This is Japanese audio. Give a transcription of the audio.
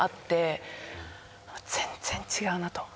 全然違うなと。